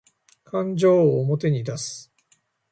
感情を表に出す